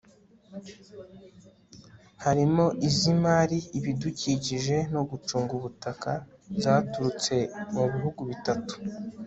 harimo iz'imari, ibidukikije no gucunga ubutaka zaturutse mu bihugu bitatu